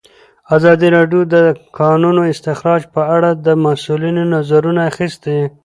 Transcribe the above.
ازادي راډیو د د کانونو استخراج په اړه د مسؤلینو نظرونه اخیستي.